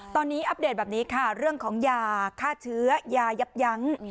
ตอนนี้อัปเดตแบบนี้ค่ะเรื่องของยาฆ่าเชื้อยายับยั้ง